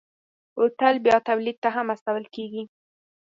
بوتل بیا تولید ته هم استول کېږي.